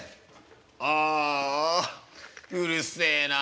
「ああうるせえなあ。